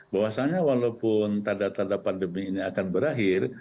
bahwasannya walaupun tanda tanda pandemi ini akan berakhir